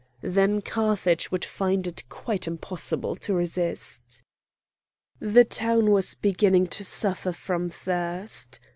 Then Carthage would find it quite impossible to resist. The town was beginning to suffer from thirst.